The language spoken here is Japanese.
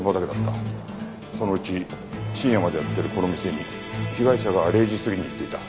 そのうち深夜までやってるこの店に被害者が０時過ぎに行っていた。